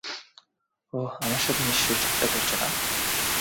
ওহ, আমার সাথে নিশ্চয় ঠাট্টা করছো, না?